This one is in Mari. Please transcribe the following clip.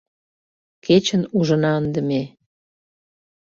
Кечын ужына ынде ме».